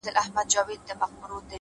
زه د ملي بیرغ په رپ ـ رپ کي اروا نڅوم!!